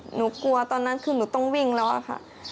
หนูกลัวตอนนั้นคือหนูต้องวิ่งแล้วอะค่ะ